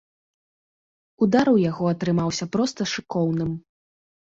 Удар у яго атрымаўся проста шыкоўным.